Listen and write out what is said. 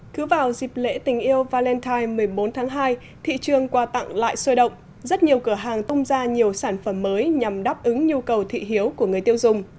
cứ vào dịp lễ tình yêu valentine một mươi bốn tháng hai thị trường quà tặng lại sôi động rất nhiều cửa hàng tung ra nhiều sản phẩm mới nhằm đáp ứng nhu cầu thị hiếu của người tiêu dùng